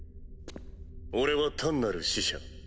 俺は単なる使者。